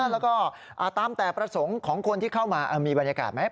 แล้วก็ตามแต่ประสงค์ของคนที่เข้ามามีบรรยากาศไหม